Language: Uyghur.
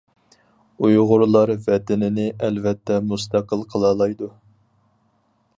ئۇيغۇرلار ۋەتىنىنى ئەلۋەتتە مۇستەقىل قىلالايدۇ.